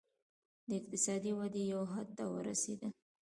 د اقتصادي ودې یو حد ته ورسېدل.